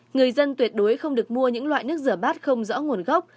người dân tuyệt đối không được mua những loại nước rửa bát không rõ nguồn gốc